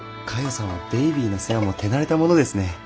さんはベイビーの世話も手慣れたものですね。